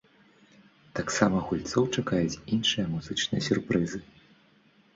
Таксама гульцоў чакаюць іншыя музычныя сюрпрызы.